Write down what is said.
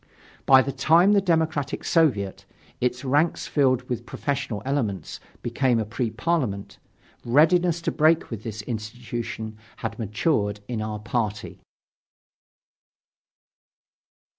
By the time the Democratic Soviet, its ranks filled up with professional elements, became a Pre Parliament, readiness to break with this institution had matured in our party.